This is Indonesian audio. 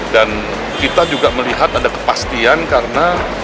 dan kita juga melihat ada kepastian karena